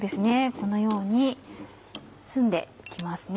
このように澄んで来ますね。